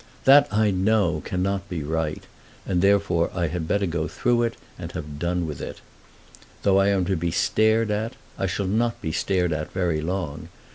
That I know cannot be right, and therefore I had better go through it and have done with it. Though I am to be stared at, I shall not be stared at very long.